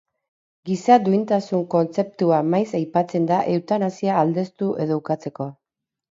Giza duintasun kontzeptua maiz aipatzen da eutanasia aldeztu edo ukatzeko.